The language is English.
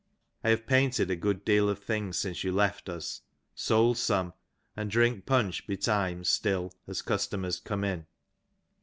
I have painted a good deal of " things since you left us, sold some^ and drink punch betimes still " as customers come in.